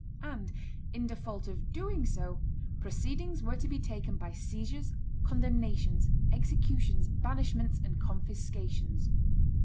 And in default of so doing, proceedings were to be taken by seizures, condemnations, executions, banishments, and confiscations.